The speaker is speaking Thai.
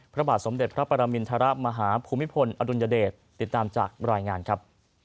พระบาทสมเด็จพระปรมินทรมาฮภูมิพลอดุลยเดชติดตามจากรายงานครับ